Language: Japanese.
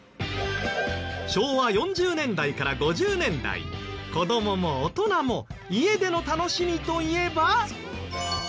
昭和４０年代から５０年代子どもも大人も家での楽しみといえば。